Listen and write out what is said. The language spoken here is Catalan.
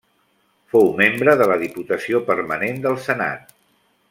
Fou membre de la Diputació Permanent del Senat.